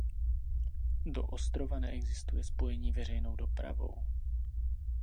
Do Ostrova neexistuje spojení veřejnou dopravou.